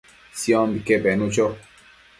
Siombique penu cho